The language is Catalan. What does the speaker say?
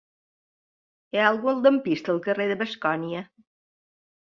Hi ha algun lampista al carrer de Bascònia?